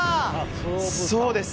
そうです